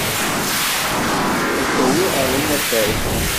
Ad k-awiɣ ɣer unafag.